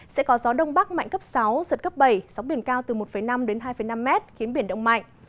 sẽ có gió đông bắc mạnh cấp sáu giật cấp bảy sóng biển cao từ một năm đến hai năm mét khiến biển động mạnh